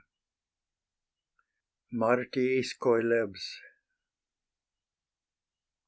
MARTIIS COELEBS.